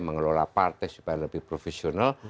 mengelola partai supaya lebih profesional